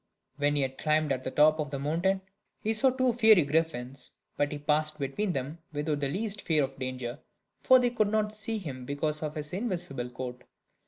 When he had climbed to the top of the mountain, he saw the two fiery griffins; but he passed between them without the least fear of danger for they could not see him because of his invisible coat.